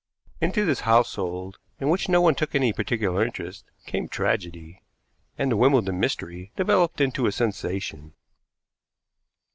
Into this household, in which no one took any particular interest, came tragedy, and the Wimbledon mystery developed into a sensation.